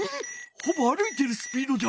ほぼ歩いているスピードじゃ。